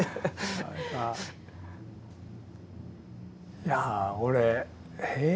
いや俺え？